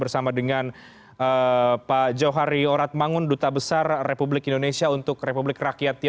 senang bisa jumpa lagi